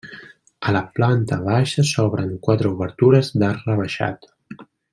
A la planta baixa s'obren quatre obertures d'arc rebaixat.